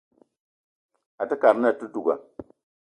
Àte kad na àte duga